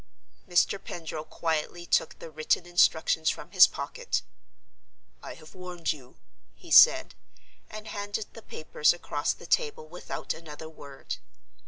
Mr. Pendril quietly took the written instructions from his pocket. "I have warned you," he said—and handed the papers across the table without another word.